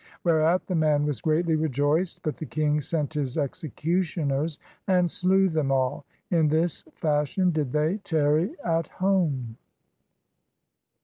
Whereat the man was greatly rejoiced; but the king sent his exe cutioners and slew them all. In this fashion did they tarry at home.